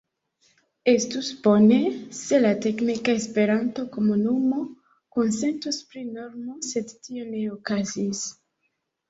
Estus bone, se la teknika Esperanto-komunumo konsentus pri normo, sed tio ne okazis.